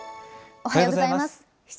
おはようございます。